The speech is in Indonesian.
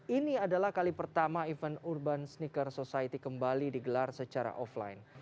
ini adalah kali pertama event urban sneaker society kembali digelar secara offline